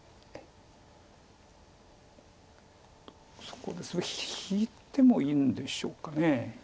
そこでそれ引いてもいいんでしょうか。